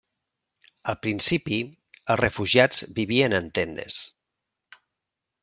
Al principi, els refugiats vivien en tendes.